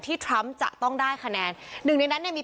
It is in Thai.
ทรัมป์จะต้องได้คะแนนหนึ่งในนั้นเนี่ยมี